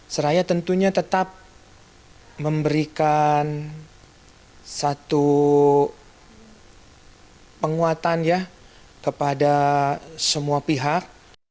seraya tentunya tetap memberikan satu penguatan kepada semua pihak